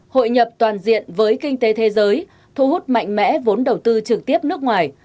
hội nhập toàn diện với kinh tế thế giới thu hút mạnh mẽ vốn đầu tư trực tiếp nước ngoài